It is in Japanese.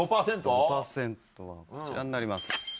５％はこちらになります。